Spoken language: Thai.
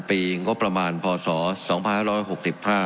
เบี้ยงกบประมาณป่าวสองพันธ์ร้อยหกถึงพี่